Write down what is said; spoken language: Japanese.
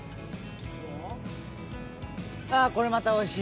あー、これまたおいしい。